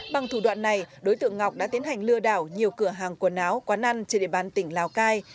bằng thủ đoạn này đối tượng ngọc đã tiến hành lừa đảo nhiều cửa hàng quần áo quán ăn trên địa bàn tỉnh lào cai